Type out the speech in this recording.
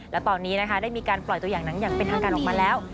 และตอนนี้นะคะได้มีการปล่อยตัวอย่างหนังอย่างเป็นทางการออกมาแล้ว